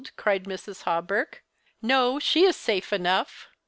cried Mrs. HawLerk. "Xo, she is safe enough.